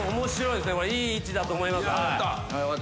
いい位置だと思います。